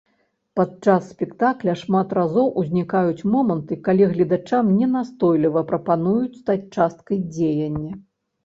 Падчас спектакля шмат разоў узнікаюць моманты, калі гледачам ненастойліва прапануюць стаць часткай дзеяння.